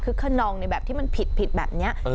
คนนองในแบบที่มันผิดแบบนี้